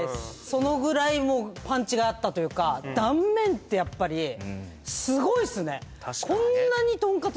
そのぐらいもうパンチがあったというか断面ってやっぱりすごいっすねないっすね